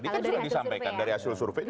kalau dari hasil survei ya